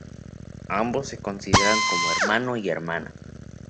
Ambos se consideran como hermano y hermana.